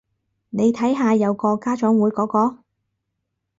你睇下有個家長會嗰個